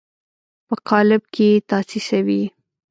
په قالب کې یې تاسیسوي.